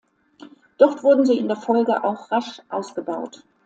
Dort wurden sie in der Folge auch rasch ausgebaut.